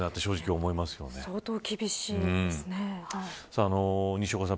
相当厳しいですね。